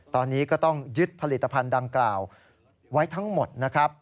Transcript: ตอนนี้ก็ต้องยึดผลิตภัณฑ์ดังกล่าวไว้ทั้งหมดนะครับ